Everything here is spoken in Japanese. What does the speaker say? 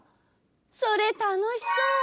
それたのしそう！